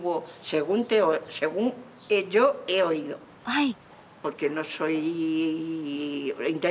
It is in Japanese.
はい。